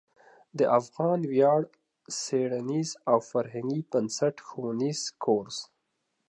د افغان ویاړ څیړنیز او فرهنګي بنسټ ښوونیز کورس